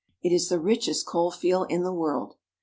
It is the richest coal field in the world.